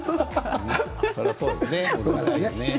それはそうですよね。